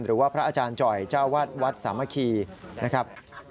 หรือว่าพระอาจารย์จอยจ้าวัดวัดสามะครีนะครับ